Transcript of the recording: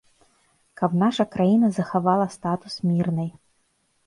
Каб наша краіна захавала статус мірнай.